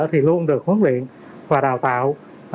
thì luôn được huấn luyện và đào tạo